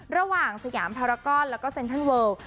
ระหว่างสยามภารกรแล้วก็เซ็นทรัลเวิร์ล